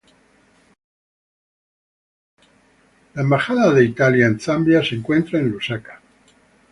La Embajada de los Estados Unidos en Zambia se encuentra en Lusaka.